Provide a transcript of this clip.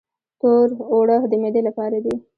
تور اوړه د معدې لپاره دي.